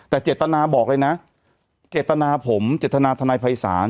แต่เจตนาบอกเลยนะเจตนาผมเจตนาทนายภัยศาล